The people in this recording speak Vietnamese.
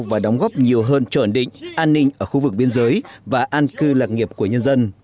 và đóng góp nhiều hơn cho ẩn định an ninh ở khu vực biên giới và an cư lạc nghiệp của nhân dân